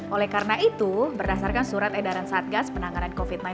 oleh karena itu berdasarkan surat edaran satgas penanganan covid sembilan belas